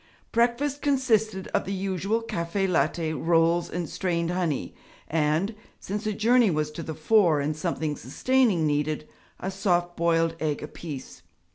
Breakfast consisted of the usual caffè latte, rolls and strained honey, and since a journey was to the fore and something sustaining needed a soft boiled egg apiece.